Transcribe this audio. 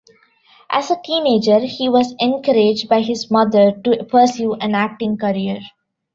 As a teenager, he was encouraged by his mother to pursue an acting career.